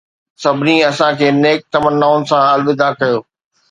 سڀني اسان کي نيڪ تمنائن سان الوداع ڪيو